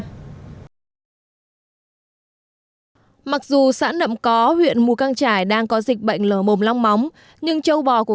mặc dù xã nậm có huyện mù căng trải đang có dịch bệnh lở mồm long móng nhưng châu bò của